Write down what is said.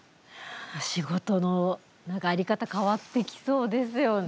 仕事の在り方変わってきそうですよね。